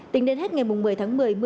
tính đến hết ngày một mươi tháng một mươi